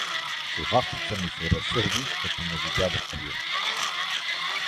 Севастица ми се сърди, като ме види да пия.